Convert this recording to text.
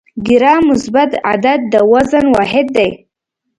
ګرام مثبت عدد د وزن واحد دی.